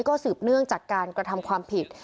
ก็สืบเนื่องจากการกระทำความผิด